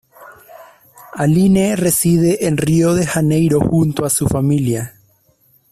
Aline reside en Río de Janeiro junto a su familia.